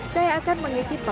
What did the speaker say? saya akan mengisi penelitian